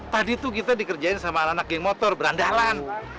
tadi tuh kita dikerjain sama anak anak geng motor berandalan